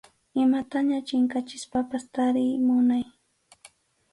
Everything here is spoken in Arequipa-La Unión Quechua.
Imataña chinkachispapas tariy munay.